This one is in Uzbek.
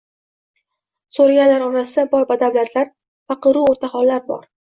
So'raganlar orasida boy- badavlatlar, faqiru o'rtahollar bor.